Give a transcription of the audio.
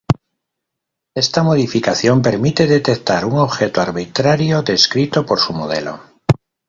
Esta modificación permite detectar un objeto arbitrario descrito por su modelo.